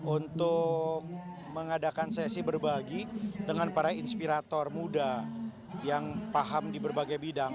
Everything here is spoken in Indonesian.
untuk mengadakan sesi berbagi dengan para inspirator muda yang paham di berbagai bidang